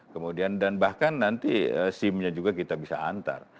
kemudian dan bahkan nanti sim nya juga kita bisa antar